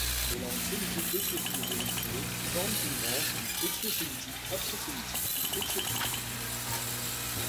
Les langues sémitiques d'Éthiopie et d'Érythrée forment une branche dite éthiosémitique, afrosémitique ou éthiopique.